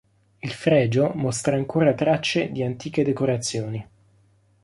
Il fregio mostra ancora tracce di antiche decorazioni.